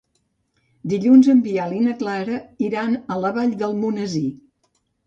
Dilluns en Biel i na Clara iran a la Vall d'Almonesir.